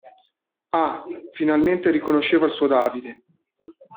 Ah, finalmente riconosceva il suo Davide!